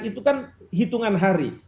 itu kan hitungan hari